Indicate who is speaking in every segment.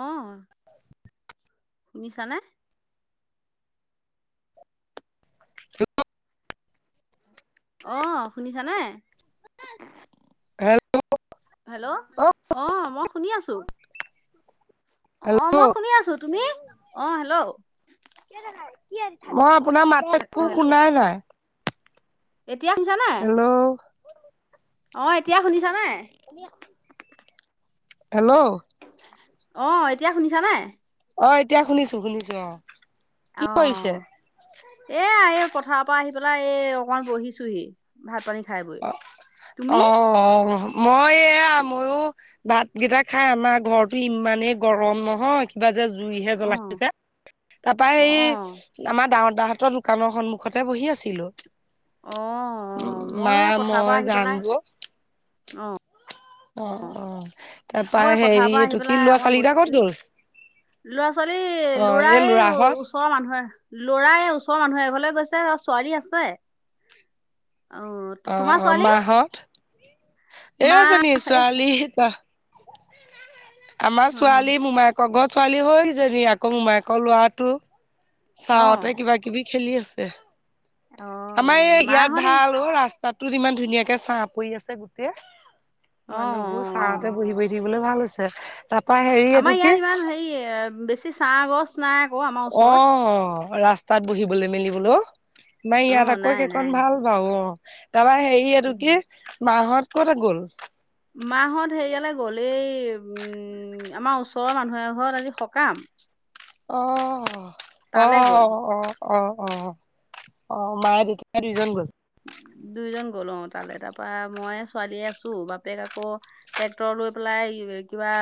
Speaker 1: অঁ, শুনিছানে! অঁ, আপোনি জানে!
Speaker 2: হেল
Speaker 1: হেল্ল' অ ম, শুনি আছো অঁ মই
Speaker 2: হেল্ল'
Speaker 1: শুনি আছো! তুমি অঁ হেল্ল',
Speaker 2: মই আপোনাৰ মাত
Speaker 1: হেল্ল'
Speaker 2: শুনাই নাই,
Speaker 1: এতিয়া শুনিছানে,
Speaker 2: হেল্ল'
Speaker 1: অঁ, এতিয়া শুনিছা নে?
Speaker 2: হেল্ল'
Speaker 1: অঁ এতিয়া শুনিছা নে?
Speaker 2: অঁ, এতিয়া শুনিছো শুনিছো অঁ,
Speaker 1: অঁ, এ এই পথাৰ পৰা আহি পেলাই এই অকমান বহিছো হি, ভাত পানী খায়,
Speaker 2: অঁ, অঁ, মই এয়া ময়ো? ভাতকেইটা খাই আমাৰ ঘৰতটো ইমানেই গৰম নহয়, কিবাতা জুইহে
Speaker 1: অঁ
Speaker 2: জ্বলাইছিলে তাপা
Speaker 1: অঁ
Speaker 2: এই, আমাৰ ডাঙৰ দাহতৰ দোকানৰ সন্মুখতে বহি আছিলো!
Speaker 1: অঁ অঁ
Speaker 2: উম,
Speaker 1: ময়ো
Speaker 2: মা
Speaker 1: এই পথাৰৰ পৰা
Speaker 2: মই
Speaker 1: আহি
Speaker 2: যাম
Speaker 1: পেলাই
Speaker 2: গ!
Speaker 1: অঁ,
Speaker 2: অঁ, অঁ তাপা
Speaker 1: মই এই পথাৰৰ
Speaker 2: হেৰি
Speaker 1: পৰা আহি
Speaker 2: এইটো কি লৰা ছোৱালী কেইটা কত গ'ল!
Speaker 1: ল'ৰা ছোৱালী
Speaker 2: অ
Speaker 1: ল'ৰা এই ও,
Speaker 2: ল'ৰাহত
Speaker 1: ওচৰৰ মানুহে ল'ৰাই ওচৰৰ মানুহে এঘৰলে গৈছে আৰু ছোৱালী আছে, অঁ
Speaker 2: অঁ অঁ, মাহঁত?
Speaker 1: মা
Speaker 2: এইজনী
Speaker 1: এই
Speaker 2: ছোৱালী আমাৰ
Speaker 1: অ'
Speaker 2: ছোৱালী মোমায়েকৰ ঘৰ ছোৱালী হৈজনী, আকৌ মোমায়েকৰ লৰাটো। ছাঁহতে
Speaker 1: অ'
Speaker 2: কিবা কিবি খেলি আছে। আমাৰ
Speaker 1: অ'
Speaker 2: এই ইয়াত
Speaker 1: মাহঁত আহি
Speaker 2: ভাল অঁ ৰা স্তাটো ইমান ধুনীয়াকে ছাঁ পৰি আছে গোটেই,
Speaker 1: অ'
Speaker 2: মানুহবোৰ ছাঁতে
Speaker 1: অ'
Speaker 2: বহি বহি থাকিবলৈ ভাল হৈছে। তাৰপা হেৰি এইটো
Speaker 1: আমাৰ
Speaker 2: কি
Speaker 1: ইয়াত ইমান হেৰি বেছি ছাঁ গছ নাই আক' আমাৰ ওচৰত
Speaker 2: অঁ, ৰা স্তাত বহিবলৈ মেলিবলৈ। আমাৰ
Speaker 1: অ'
Speaker 2: ইয়াত আকৌ
Speaker 1: নাই
Speaker 2: সেইখন
Speaker 1: নাই
Speaker 2: ভাল বাৰু অঁ তাৰপৰা হেৰি কি
Speaker 1: সেইটো
Speaker 2: এইটো কি
Speaker 1: হয়।
Speaker 2: মাহঁত ক'লে গ'ল?
Speaker 1: মাহঁত হেৰিয়ালৈ গ'ল, এই উমমম আমাৰ ওচৰৰ মানুহ এঘৰত আজি সকাম।
Speaker 2: অঁ অ'
Speaker 1: তালৈ গ'ল।
Speaker 2: অ'। অ' অ', অ' মায়ে দেউতা দুইজন গ'ল?
Speaker 1: দুইজন গল অঁ তালৈ, তাৰপৰা মই ছোৱালীয়ে আছো, বাপেক আকৌ ট্ৰেক্টৰ লৈ পেলাই কিবা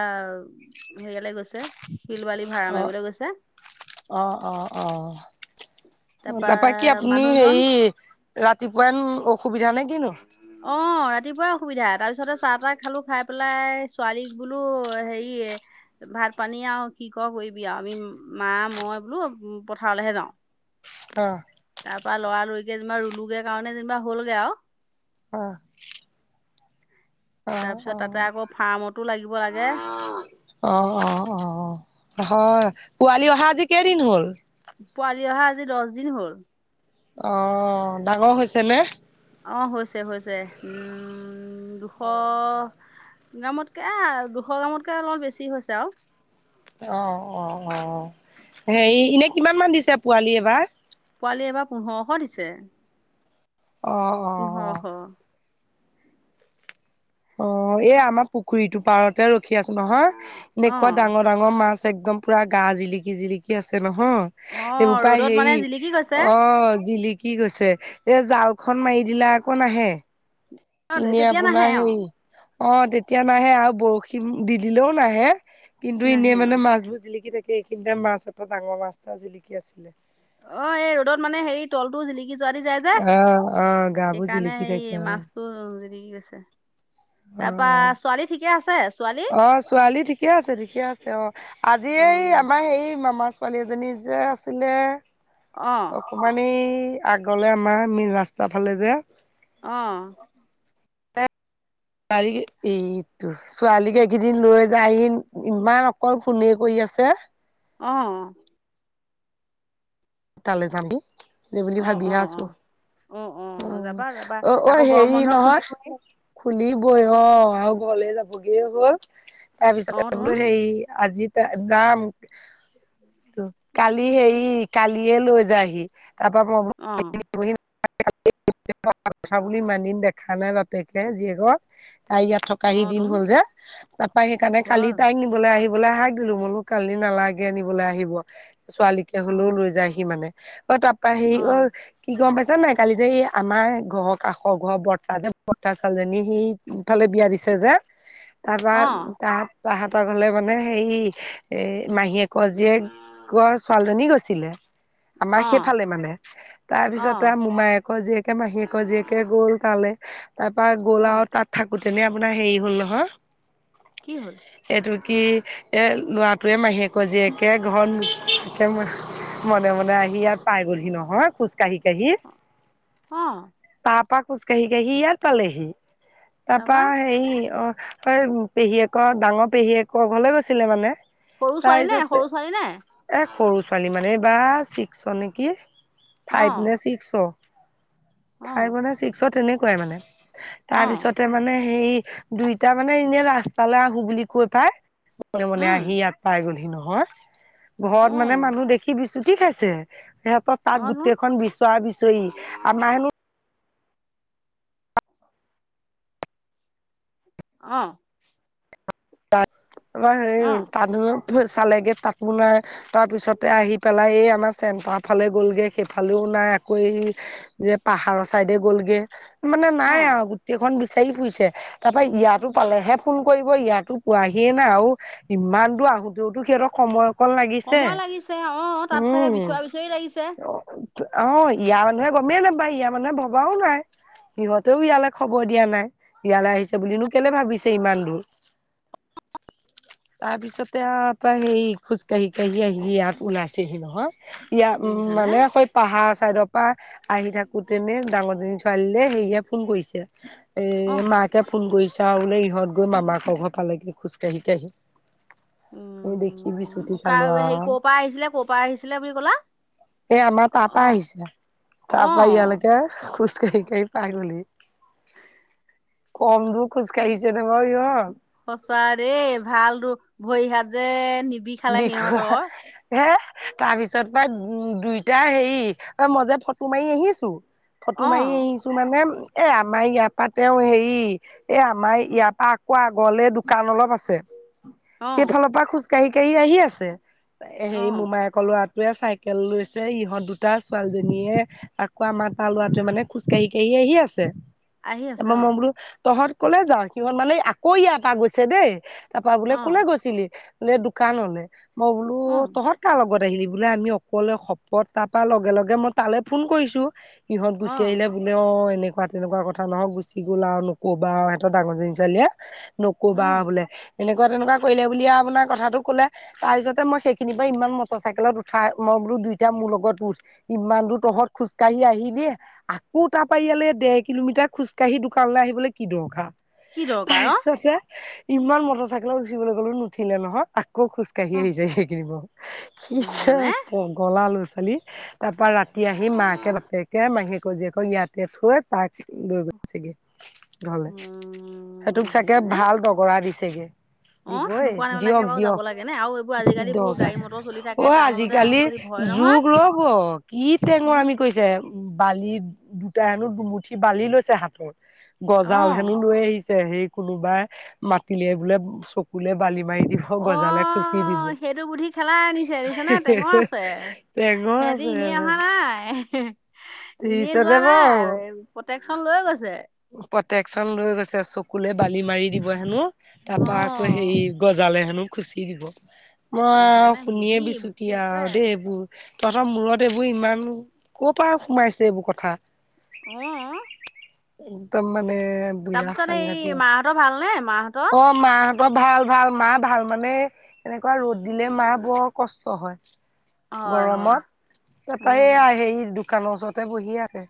Speaker 1: হেৰিয়ালৈ গৈছিল শিল বালি ভাড়া মাৰিবলৈ গৈছে।
Speaker 2: অঁহ অঁহ অঁহ
Speaker 1: তাৰপা
Speaker 2: তাৰপৰা কি আপুনি
Speaker 1: মানুহজন
Speaker 2: হেৰি ৰাতিপুৱাই উম অসুবিধা নে কিনো?
Speaker 1: অঁ, ৰাতিপুৱা অসুবিধা তাৰপিছতে চাহ তাহ খালো খাই পেলাই ছোৱালীক বোলো হেৰি ভাত পানী আৰু কি ক'ৰ' কৰিবি আৰু আমি মাঁ মই বোলো পথাৰলৈহে যাওঁ।
Speaker 2: অঁ।
Speaker 1: তাৰপৰা লৰালৰিকে যেনিবা ৰলোগে কাৰণে যেনিবা হ'লগে আৰু।
Speaker 2: অ। অ
Speaker 1: তাৰপিছত তাতে আকৌ ফাৰ্মতো লাগিব লাগে।
Speaker 2: অ অ অ হয়, পোৱালি অহা আজি কেইদিন হ'ল?
Speaker 1: পোৱালি অহা আজি দহ দিন হ'ল।
Speaker 2: অহহ' ডাঙৰ হৈছে নে?
Speaker 1: অঁ হৈছে হৈছে উম দুশ গ্ৰামতকে দুশ গ্ৰামতকে অলপ বেছি হৈছে আৰু।
Speaker 2: অ' অ' অ', হেৰি এনে কিমান মান দিছে পোৱালি এইবাৰ?
Speaker 1: পোৱালি এইবাৰ পোন্ধৰশ দিছে।
Speaker 2: অ' অঁ।
Speaker 1: পোন্ধৰশ
Speaker 2: অ এই আমাৰ পুখুৰীটো পাৰতে ৰখি আছো নহয়
Speaker 1: অ
Speaker 2: এনেকুৱা ডাঙৰ ডাঙৰ মাছ একদম পুৰা গা জিলিকি জিলিকি আছে
Speaker 1: অ
Speaker 2: নহয়। এইবোৰ পাই
Speaker 1: ৰ'দত মানে
Speaker 2: হেৰি
Speaker 1: জিলিকি গৈছে
Speaker 2: অঁ জিলি কি গৈছে এ জালখন মাৰি দিলে আকৌ নাহে।
Speaker 1: অ
Speaker 2: এনে
Speaker 1: তেতিয়া
Speaker 2: আপোনাৰ
Speaker 1: নাহে অ
Speaker 2: হেৰি অঁ তেতিয়া নাহে আৰু বৰশী দি দিলেও নাহে। কিন্তু এনেই
Speaker 1: নাহে অ
Speaker 2: মানে মাছবোৰ জিলিকি থাকে, এইখিনিতে মাছ এটা ডাঙৰ মাছ এটা জিলিকি আছিলে।
Speaker 1: অ এই ৰ'দত মানে হেৰি তলটো জিলিকি যোৱাদি যায় যে,
Speaker 2: অ অ গাবোৰ
Speaker 1: সেইকাৰণে
Speaker 2: জিলিকি থাকে
Speaker 1: সেই
Speaker 2: অ
Speaker 1: মাছটো জিলিকি গৈছে। তাৰপৰা ছোৱালী ঠিকে আছে ছোৱালী?
Speaker 2: অঁ ছোৱালী ঠিকে আছে ঠিকে আছে অঁ। আজি
Speaker 1: অ
Speaker 2: এই আমাৰ হেই মামা ছোৱালী এজনী যে আছিলে
Speaker 1: অঁ
Speaker 2: অকমান এই আগলৈ আমাৰ মেইন ৰাস্তাৰ ফালে যে।
Speaker 1: অ
Speaker 2: তালগ [inaudible] এইটো ছোৱালীক এইকেইদিন লৈ যায়হি ইমান অকল ফোনে কৰি আছে
Speaker 1: অ
Speaker 2: তালৈ যামগে সেইবুলি
Speaker 1: অ অ
Speaker 2: ভাবিহে আছো
Speaker 1: অ অ অ যাবা যাবা
Speaker 2: অ অ অ
Speaker 1: আকৌ গৰম
Speaker 2: হেৰি
Speaker 1: বন্ধ
Speaker 2: নহয়
Speaker 1: খুলিবই
Speaker 2: খুলিবই অ আৰু ঘৰলে যাবগে হ'ল তাৰপিছত
Speaker 1: অ তোন
Speaker 2: বলো সেই আজিত নাম কালি হেৰি কালিয়ে লৈ যায়হি তাৰপৰা [inaudible] [inaudible]
Speaker 1: অ',
Speaker 2: থকা বুলি ইমান দিন দেখা নাই বাপেকে জীয়েকৰ তাই ইয়াত থকা [inaudible]
Speaker 1: অ',
Speaker 2: দিন
Speaker 1: তোন
Speaker 2: হ'ল যে তাৰাপৰা সেইকাৰণে কালি
Speaker 1: হয়
Speaker 2: তাই লৈ আহিবলৈ আহা গলো মোলো কালি নালাগে আনিব নিবলে আহিব ছোৱালী কে হ'লেও
Speaker 1: অ',
Speaker 2: লৈ যায়হি মানে অ তাৰপৰা সি অ কি গম পাইছা নাই কালি যে এই আমাৰ ঘৰৰ কাষৰ ঘৰ বৰতা যে বৰ্তা ছোৱালীজনী সেই ইফালে বিয়া দিছে যে তাৰপা
Speaker 1: অ',
Speaker 2: তাত বা হতৰ ঘৰলৈ মানে হেৰি এ মাহীয়েকৰ জীয়েক কৰ ছোৱালীজনী গৈছিলে আমাৰ
Speaker 1: অ',
Speaker 2: সেইফালে মানে তাৰপিছতে
Speaker 1: অ',
Speaker 2: মোমায়েক জীয়েকে মাহীয়েকৰ জীয়েকে গ'ল তালে তাৰ পৰা গ'ল
Speaker 1: অ',
Speaker 2: আৰু তাত থাকোতেনে আপোনাৰ হেৰি হ'ল নহয়
Speaker 1: কি হ'ল
Speaker 2: এইটো কি এ লৰাটোৱে মাহীয়েকৰ জীয়েকে ঘৰতে মনে মনে আহি ইয়াত পাই গ'লহি নহয় খোজ কাঢ়ি কাঢ়ি
Speaker 1: অ
Speaker 2: তাৰ পৰা খোজ কাঢ়ি কাঢ়ি ইয়াত পালেহি তাৰ
Speaker 1: তাৰপা
Speaker 2: পৰা হেৰি অ হয় পেহীয়েকৰ ডাঙৰ পেহীয়েকৰ ঘৰলৈ গৈছিলে মানে
Speaker 1: সৰু ছোৱালী নে
Speaker 2: তাৰপিছত
Speaker 1: সৰু ছোৱালী নে
Speaker 2: এ সৰু ছোৱালী মানে এই বাৰ ছিক্সত নেকি ফাইভ নে
Speaker 1: অ',
Speaker 2: ছিক্স'ত
Speaker 1: অ',
Speaker 2: ফাইভত নে ছিক্সত তেনেকুৱাই মানে
Speaker 1: অ',
Speaker 2: তাৰপিছতে মানে হেৰি দুইটা মানে এনেই ৰাস্তালে আহো বুলি কৈ পাই মনে মনে আহি
Speaker 1: উম,
Speaker 2: ইয়াত পাই গ'লহি নহয়
Speaker 1: অ',
Speaker 2: ঘৰত মানে মানুহ দেখ দেখি বিচুতি খাইছে সিহঁতৰ তাত
Speaker 1: অ', তোন
Speaker 2: গোটেইখন বিচৰা বিচৰি আমাৰ হেনো
Speaker 1: অ
Speaker 2: অ আমাৰ হেৰি হ'ল
Speaker 1: অ',
Speaker 2: তাডোলত চালেগে তাতো নাই তাৰ পিছতে আহি পেলাই এই আমাৰ চেণ্টাৰ ফালে গ'লগে সেইফালেও নাই আকৌ হেৰি যে পাহাৰৰ চাইডে গ'লগে মানে নাই
Speaker 1: অ',
Speaker 2: আৰু গোটেইখন বিচাৰি ফুৰিছে তাৰপৰা ইয়াতো পালেহে ফোন কৰিব ইয়াতো পোৱাহিয়ে নাই আৰু ইমান দূৰ আহোতেওতো সিহঁতক সময় অকন লাগিছে
Speaker 1: সময় লাগিছে অ', তাত চাগে
Speaker 2: উম
Speaker 1: বিচৰা বিচৰি লাগিছে
Speaker 2: অ ইয়াৰ মানুহে গমেই নাপায় ইয়াৰ মানুহে ভবাও নাই সিহঁতেও ইয়ালৈ খবৰ দিয়া নাই ইয়ালৈ আহিছে বুলিনো কেলে ভাবিছে ইমান দূৰ তাৰপিছতে আৰু প্ৰাই হেৰি খোজ কাঢ়ি কাঢ়ি আহি ইয়াত ওলাইছেহি নহয় ইয়াত উ
Speaker 1: দেখিছানে
Speaker 2: মানে [inaudible] পাহাৰ চাইডৰ পৰা আহি থাকোতেনে ডাঙৰজনী ছোৱালীলৈ হেৰিয়ে ফোন কৰিছে এ
Speaker 1: অ',
Speaker 2: মাকে ফোন কৰিছে আৰু বোলে ইহঁত গৈ মামাকৰ ঘৰ পালেগৈ খোজ কাঢ়ি কাঢ়ি
Speaker 1: উ।
Speaker 2: এই দেখি বিচুতি খালো
Speaker 1: হেৰি
Speaker 2: আৰু
Speaker 1: ক'ৰ পৰা আহিছিলে, ক'ৰ পৰা আহিছিলে বুলি ক'লা?
Speaker 2: এই আমাৰ তাৰ পৰা
Speaker 1: অ',
Speaker 2: আহিছিলে। তাৰ পৰা
Speaker 1: অ',
Speaker 2: ইয়ালৈকে খোজ কাঢ়ি কাঢ়ি পাই গলহি। কম দূৰ খোজকাঢ়িছে নে বাৰু ইহত।
Speaker 1: সঁচা দেই ভাল দূৰ ভৰি হাত যে নিবিষ
Speaker 2: বিষায়। হে তাৰ পিছত পাই উ দুইটা হেৰি মই যে ফটো মাৰি আহিছো ফটো
Speaker 1: অ
Speaker 2: মাৰি আহিছোঁ মানে, এই আমাৰ ইয়াৰ পৰা তেওঁ হেৰি এ আমাৰ ইয়াৰ পৰা আকৌ আগলে দোকান অলপ আছে।
Speaker 1: অ
Speaker 2: সেইফালৰ পৰা খোজ কাঢ়ি কাঢ়ি আহি আছে।
Speaker 1: অ
Speaker 2: হেৰি মোমাই ল'ৰাটোৱে চাইকেল লৈছে, ইহঁত দুটা ছোৱালীজনীয়ে আকৌ আমাৰ তাৰ লৰাটোৱে মানে খোজকাঢ়ি কাঢ়ি আহি আছে।
Speaker 1: আহি
Speaker 2: ত
Speaker 1: আছে
Speaker 2: মই
Speaker 1: অ
Speaker 2: মই বোলো তহঁত কলে যাওঁ? সিহঁত মানে আকৌ ইয়াৰ পৰা গৈছে দেই। তাৰপা বোলে
Speaker 1: অ
Speaker 2: কলে গৈছিলি? বোলে দোকান হলে মই বোলো
Speaker 1: অ
Speaker 2: তহঁত কাৰ লগত আহিলি? বোলে আমি অকলে শপত তাৰপৰা লগে লগে মই তালৈ ফোন কৰিছো। ইহত
Speaker 1: অ
Speaker 2: গুচি আহিলে বুলি। বোলে অ এনেকুৱা তেনেকুৱা কথা নহয়, গুচি গ'ল আৰু নকবা আৰু সিহত ডাঙৰজনী ছোৱালীয়ে
Speaker 1: অ
Speaker 2: নকবা বোলে, এনেকুৱা তেনেকুৱা কৰিলে বুলিয়ে আপোনাক কথাটোক কলে তাৰ পিছতে মই সেইখিনি পৰা ইমান মটৰ চাইকেলত উঠা মই বোলো দুইতটা মোৰ লগত উঠ। ইমান দূৰ তহঁত খোজকাঢ়ি আহিলি। আকৌ তাৰপা ইয়ালৈ ডেৰ কিলোমিটাৰ খোজকাঢ়ি দোকানলৈ আহিবলৈ কি দৰকাৰ।
Speaker 1: কি দৰকাৰ অ
Speaker 2: তাৰপিছতে ইমান মটৰ চাইকেলত উচিবলৈ কলো নুঠিলে নহয়। আকৌ খোজ- কাঢ়ি
Speaker 1: অ
Speaker 2: আহিছে সেইখিনি দূৰ, কি যে
Speaker 1: দেখিছানে
Speaker 2: পগলা ল'ৰা - ছোৱালী। তাৰ পৰা ৰাতি আহি মাকে বাপেকে মাহীয়েকৰ জীয়েকক ইয়াতে থৈ তাক লৈ গৈ গে ঘৰলে
Speaker 1: উম
Speaker 2: সেইটোক চাগে
Speaker 1: দেখিছানে
Speaker 2: ভাল দগৰা দিছেগে।
Speaker 1: অ
Speaker 2: দিবই।
Speaker 1: নোকোৱা নেমেলাকে
Speaker 2: দিয়ক
Speaker 1: বাৰু যাব
Speaker 2: দিয়ক।
Speaker 1: নে আৰুএইবোৰ
Speaker 2: কি দৰকাৰ। অ আজিকালিৰ
Speaker 1: আজিকালি ভয় নহয়
Speaker 2: যুগত ৰব কি
Speaker 1: উম
Speaker 2: টেঙৰআমি কৰিছে। বালি দুটাই হেনো দুমুঠি বালি লৈছে হাতত
Speaker 1: অ
Speaker 2: গজাল হেনো লৈ আহিছে সেই কোনোবাই মাতিলে বোলে চকুলে বালি মাৰি দিব।
Speaker 1: অ
Speaker 2: গজালে খুচি দিব।
Speaker 1: সেইটো বুধি খেলাই আনিছে দেখিছে নে? টেঙৰ আছে
Speaker 2: টেঙৰ
Speaker 1: সিহঁতি
Speaker 2: আছে
Speaker 1: এনেই অহা নাই। এনেই যোৱা
Speaker 2: তাৰপিছতে
Speaker 1: নাই
Speaker 2: বাৰু
Speaker 1: প্ৰটেকশচন লৈ গৈছে।
Speaker 2: প্ৰটেকশচন লৈ গৈছে চকুলে বালি মাৰি দিব হেনো, তাৰপা আকৌ হেৰি
Speaker 1: অ',
Speaker 2: গজালে হেনো খুচি দিব। মই
Speaker 1: নিজানে
Speaker 2: শুনিয়ে
Speaker 1: বুদ্ধি বুদ্ধি
Speaker 2: বিচোতিয়াও
Speaker 1: আছে।
Speaker 2: আৰু দেই এইবোৰ। তহঁতৰ মূৰত এইবোৰ ইমান ক পৰা সোমাইছে এইবোৰ কথা?
Speaker 1: অ'।
Speaker 2: একদম মানে বিয়া
Speaker 1: তাৰপিছত এই
Speaker 2: সাংঘাতিক আছে
Speaker 1: মাহঁতৰ ভালনে মাহঁতৰ?
Speaker 2: অ'। মাহঁতৰ ভাল ভাল। মা ভাল মানে এনেকুৱা ৰ'দ দিলে মা বৰ কষ্ট হয়।
Speaker 1: হয়, হয়,
Speaker 2: গৰমত। দেতাই এইয়া
Speaker 1: উম,
Speaker 2: সেই দোকানৰ ওচৰতে বহি আছে।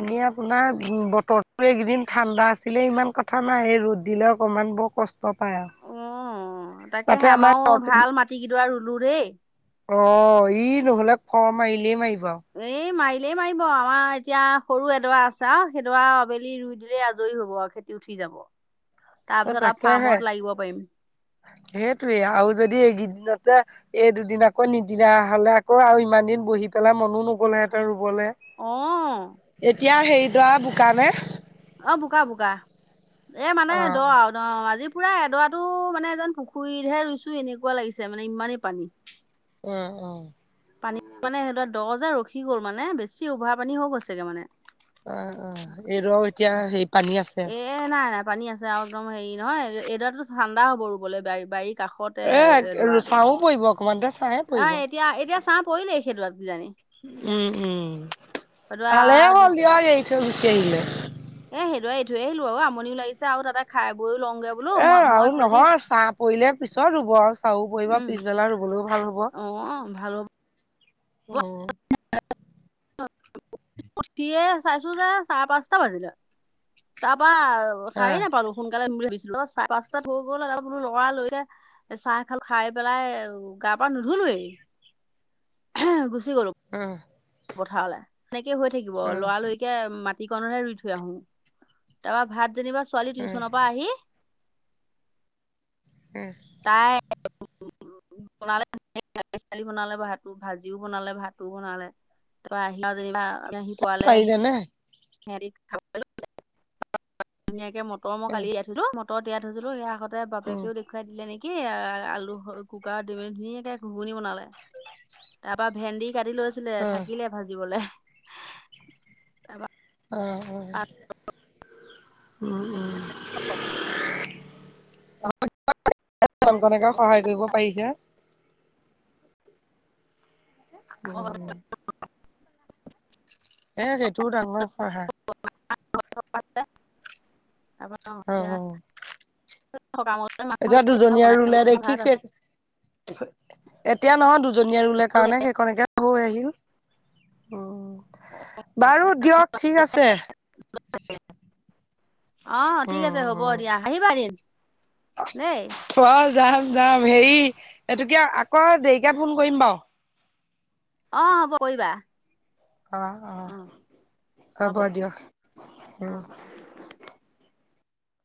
Speaker 2: এনে আপোনাৰ বতৰটো এইকেইদিন ঠাণ্ডা আছিলে ইমান কথা নাই, এই ৰ'দ দিলে অকণমান বৰ কষ্ট পায় আৰু।
Speaker 1: অ। তাকে
Speaker 2: তাতে
Speaker 1: সে
Speaker 2: আমাৰ
Speaker 1: আমাৰও
Speaker 2: ঘৰটো
Speaker 1: ভাল মাটি কেইডৰা ৰুলো দেই।
Speaker 2: অ ই নহলে খৰ মাৰিলেই মাৰিব আৰু।
Speaker 1: এই মাৰিলেই মাৰিব। আমাৰ এতিয়া সৰু এডৰা আছে আৰু সেইডৰা আবেলি ৰুই দিলেই আজৰি হ'ব আৰু খেতি উঠি যাব। তাৰ পিছত আৰু ফাৰ্মত লাগিব পাৰিম।
Speaker 2: সেইটোৱে আৰু যদি এইকেইদিনতে এই দুদিন আকৌ নিদিলা হ'লে আকৌ আৰু ইমান দিন বহি পেলাই মনো নগলহেহঁতে ৰুবলৈ।
Speaker 1: অ।
Speaker 2: এতিয়া সেইডৰা বোকানে?
Speaker 1: অ বোকা বোকা এ মানে দ
Speaker 2: অ',
Speaker 1: আউ অ আজি পুৰা এডৰাটো মানে এজন পুখুৰীতহে ৰুইছো এনেকুৱা লাগিছে মানে ইমানেই পানী।
Speaker 2: উম উম।
Speaker 1: পানী মানে সেইডৰা দহ যে ৰখি গ'ল মানে বেছি উভাৰ পানী হৈ গৈছেগে মানে।
Speaker 2: অ অ এই ৰ এতিয়া হেই পানী আছে।
Speaker 1: এ নাই নাই পানী আছে আৰু একদম হেৰি নহয় এইডৰাতো ঠাণ্ডা হ'ব ৰুবলৈ বা-বাৰীক
Speaker 2: এ চাও পৰিব অকমানতে চাহে
Speaker 1: অ'
Speaker 2: পৰিব।
Speaker 1: এতিয়া এতিয়া চাহ পৰিলেই সেই ডৰাত
Speaker 2: উম উম
Speaker 1: সেইডৰা
Speaker 2: ভালে হ'ল
Speaker 1: দুটা
Speaker 2: দিয়া এৰি থৈ গুচি আহিলে।
Speaker 1: এ সেইডৰাই এই থৈ আহিলো আৰু আমনিও লাগিছে আৰু তাতে খাই বৈও লংগে
Speaker 2: এ আৰু নহয় চাহ পৰিলে পিছত ৰুব আৰু চাহও পৰিব
Speaker 1: উম
Speaker 2: পিছবেলা ৰুবলৈও ভাল হ'ব।
Speaker 1: অ ভাল হ'ব
Speaker 2: উম।
Speaker 1: [unintelligible] সিয়ে চাইছোঁ যে চাৰে পাঁচটা বাজিলে। তাৰপা শাৰী
Speaker 2: আহ,
Speaker 1: নাপালো সোনকালে [unintelligible] ভাবিছিলো অ চাৰে পাঁচটাত হৈ গল লৰা লৰিকে চাহ খাল খাই পেলাই গা-পা নুধুলোৱেই গুচি গলো।
Speaker 2: উম।
Speaker 1: পথাৰলৈ সেনেকে হৈ থাকিব
Speaker 2: উম,
Speaker 1: লৰালৰিকে মাত [unintelligible] ৰুই থৈ আহো। তাৰপৰা ভাত যেনিবা ছোৱালী
Speaker 2: উম,
Speaker 1: টিউচনৰ পৰা আহি
Speaker 2: উম।
Speaker 1: তাই [unintelligible] [unintelligible] বনালে ভাত ভাজিও বনালে ভাতো বনালে তাৰপৰা আহি যেনিবা [unintelligible] পোৱালে
Speaker 2: পাৰিলে নে?
Speaker 1: [unintelligible] ধুনীয়াকে মটৰ মই কালিয়ে থৈছিলো মটৰত তিয়াই থৈছিলো সেয়া আহতে
Speaker 2: উম,
Speaker 1: বাপেও দেখ [unintelligible] দিলে নেকি আলু [unintelligible] ধুনীয়াকে ঘুগুনি বনালে তাৰ পৰা ভেন্দি কাটি লৈছিলে
Speaker 2: অ'।
Speaker 1: থাকিলে ভাজিবলে।
Speaker 2: অ।
Speaker 1: [inaudible]
Speaker 2: উম উম [unintelligible] [unintelligible] সহায় কৰিব পাৰিছে। উম।
Speaker 1: [unintelligible]
Speaker 2: এ সেইটোও ডাঙৰ [unintelligible] উম,
Speaker 1: [unintelligible] সকামত
Speaker 2: এতিয়া দুজনীয়ে
Speaker 1: বনাই
Speaker 2: আৰু
Speaker 1: মেলি
Speaker 2: ৰুলোই দেখি
Speaker 1: ভাত
Speaker 2: সে
Speaker 1: আছে
Speaker 2: এতিয়া নহয় দু জনীয়া ৰুলে কাৰণে সেইখনকে হৈ আহিল উম। বাৰু দিয়ক ঠিক আছে।
Speaker 1: অ ঠিক
Speaker 2: উম,
Speaker 1: আছে হ'ব
Speaker 2: উম,
Speaker 1: দিয়া আহিবা এদিন। দেই।
Speaker 2: অ যাম যাম হেৰি এইটোকে আকৌ দেৰিকে ফোন কৰিম বাৰু
Speaker 1: অঁ হ'ব কৰিবা
Speaker 2: অঁ অঁ
Speaker 1: অ
Speaker 2: হ'ব দিয়ক উম
Speaker 1: অ